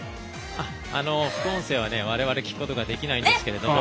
副音声はわれわれ聞くことができないんですが。